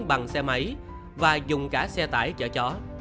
bằng xe máy và dùng cả xe tải chở chó